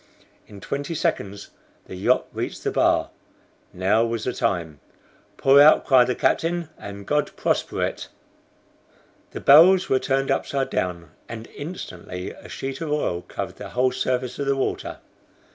In twenty seconds the yacht reached the bar. Now was the time. "Pour out!" cried the captain, "and God prosper it!" The barrels were turned upside down, and instantly a sheet of oil covered the whole surface of the water.